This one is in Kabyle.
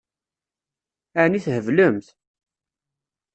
Ɛni theblemt?